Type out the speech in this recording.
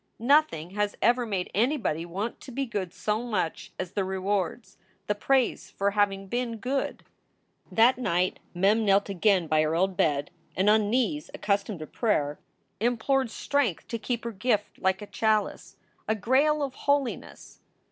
Nothing has ever made anybody want to be good so much as the rewards, the praise for having been good. That night Mem knelt again by her old bed and, on knees unaccustomed to prayer, implored strength to keep her gift like a chalice, a grail of holiness.